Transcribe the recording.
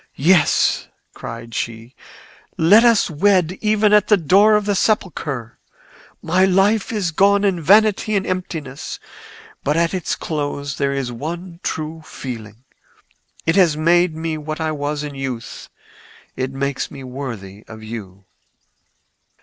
"Yes!" cried she; "let us wed even at the door of the sepulchre. My life is gone in vanity and emptiness, but at its close there is one true feeling. It has made me what I was in youth: it makes me worthy of you.